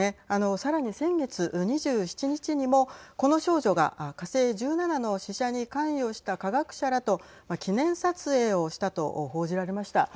さらに先月２７日にもこの少女が火星１７の試射に関与した科学者らと記念撮影をしたと報じられました。